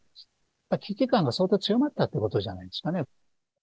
やっぱり危機感が相当強まったってことじゃないですかね。